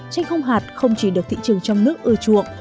chanh không hạt không chỉ được thị trường trong nước ưa chuộng